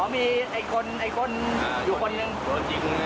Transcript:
อ๋อมีไอ้คนไอ้คนอยู่คนนึงจอดยิงพวกที่โดดยิงเนี้ยถึงอีกชาว